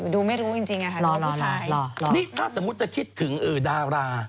นี่ถ้าสมมติคิดถึงเออดารา